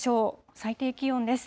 最低気温です。